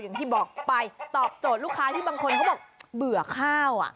อย่างที่บอกไปตอบโจทย์ลูกค้าที่บางคนเขาบอกเบื่อข้าว